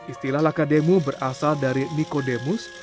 istilah lakademu berasal dari nikodemus